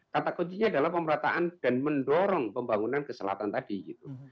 kata kuncinya adalah pemerataan dan mendorong pembangunan ke selatan tadi gitu